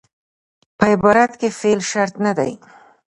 په عبارت کښي فعل شرط نه دئ.